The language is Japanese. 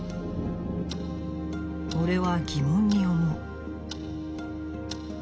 「俺は疑問に思う」。